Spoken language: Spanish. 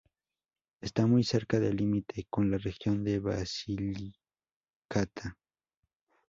Está muy cerca del límite con la región de Basilicata.